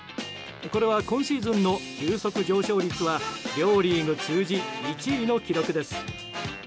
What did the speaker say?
これは今シーズンの球速上昇率は両リーグを通じ１位の記録です。